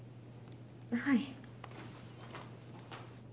はい。